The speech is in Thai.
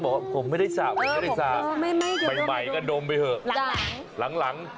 แล้วก็เขาก็จะบอกว่าผมไม่จับไม่ได้สระ